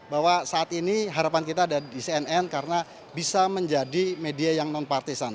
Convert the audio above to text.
bahwa saat ini harapan kita ada di cnn karena bisa menjadi media yang non partisan